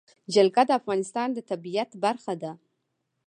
جلګه د افغانستان د طبیعت برخه ده.